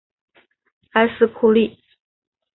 埃斯库利。